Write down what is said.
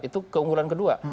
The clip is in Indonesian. itu keunggulan kedua